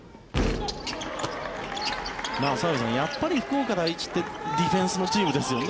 澤部さん、やっぱり福岡第一ってディフェンスのチームですよね。